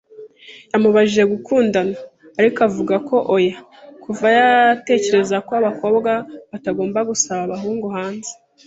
Yamubajije gukundana, ariko avuga ko oya kuva yatekerezaga ko abakobwa batagomba gusaba abahungu hanze.